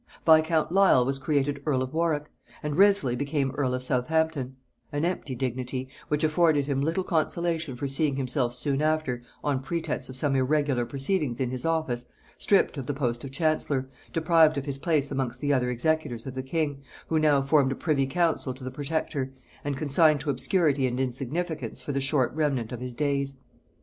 Viscount Lisle was created earl of Warwick, and Wriothesley became earl of Southampton; an empty dignity, which afforded him little consolation for seeing himself soon after, on pretence of some irregular proceedings in his office, stripped of the post of chancellor, deprived of his place amongst the other executors of the king, who now formed a privy council to the protector, and consigned to obscurity and insignificance for the short remnant of his days.